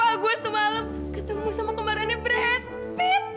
apa gua semalam ketemu sama kemarinnya brad pitt